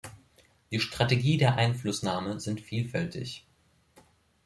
Die Strategie der Einflussnahme sind vielfältig.